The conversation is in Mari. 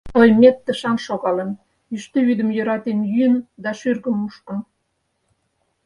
Тоймет тышан шогалын, йӱштӧ вӱдым йӧратен йӱын да шӱргым мушкын.